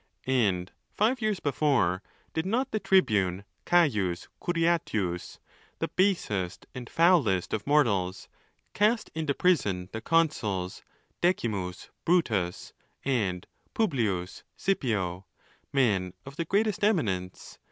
And, five years before, did not the tribune Caius Curiatius, the basest and foulest of mortals, cast into prison the consuls Decimus Brutus and Publius Scipio, men of the greatest emi nence